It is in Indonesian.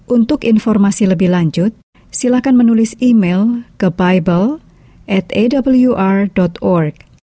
untuk informasi lebih lanjut silahkan menulis email ke bible atawr org